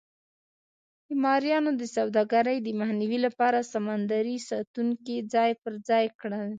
د مریانو د سوداګرۍ د مخنیوي لپاره سمندري ساتونکي ځای پر ځای کړل.